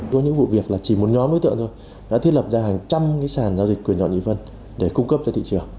có những vụ việc là chỉ một nhóm đối tượng thôi đã thiết lập ra hàng trăm sàn giao dịch quyền đoạn y phân để cung cấp cho thị trường